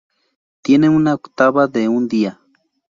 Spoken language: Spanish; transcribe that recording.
Tiene una Octava de un día.